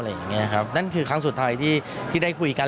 อย่างเงี้ยครับนั่นคือครั้งสุดท้ายที่ที่ได้คุยกัน